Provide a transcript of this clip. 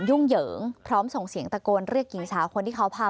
เหยิงพร้อมส่งเสียงตะโกนเรียกหญิงสาวคนที่เขาพา